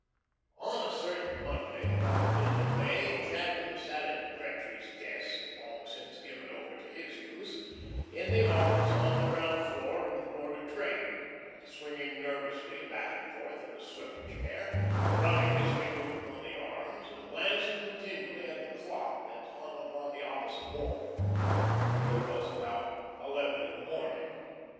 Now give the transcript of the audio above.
On a certain Monday, about the middle of May, Jadwin sat at Gretry's desk (long since given over to his use), in the office on the ground floor of the Board of Trade, swinging nervously back and forth in the swivel chair, drumming his fingers upon the arms, and glancing continually at the clock that hung against the opposite wall. It was about eleven in the morning.